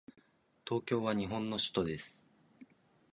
東京は日本の首都です。